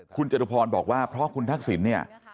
คุณจตุพรบอกว่าเพราะคุณทักษิณเนี่ย